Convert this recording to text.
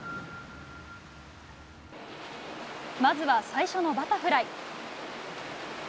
まずは、最初のバタフライ。